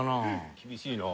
厳しいな。